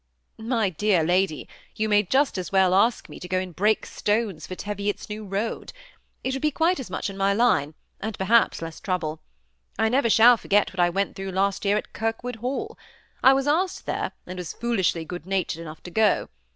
*' My dear lady, you may just as well ask me to go and break stones for Teviot's new road ; it would be quite as much in my line, and per haps less trouble. I never shall forget what I went through last year at Kirwood Hall. I was asked there, and was foolishly good natured enough to go.